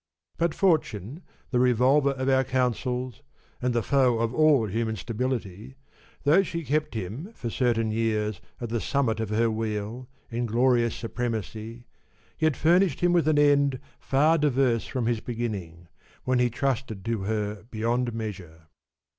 But fortune, the revolver of our counsels, and the foe of all human stability, though she kept him for certain years at the summit of her wheel, in glorious supremacy, yet fur nished him with an end far diverse from his beginning, when he trusted to her beyond measure.